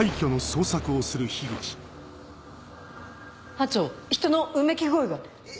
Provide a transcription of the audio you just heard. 班長人のうめき声が。